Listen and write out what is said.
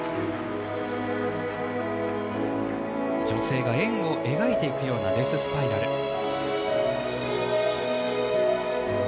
女性が円を描いていくようなデススパイラル。